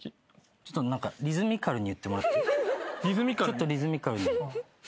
ちょっとリズミカルに。